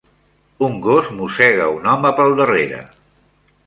Un gos mossega un home pel darrere.